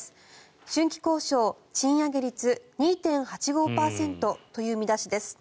春季交渉、賃上げ率２．８５％という見出しです。